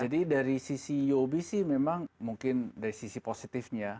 jadi dari sisi uob sih memang mungkin dari sisi positifnya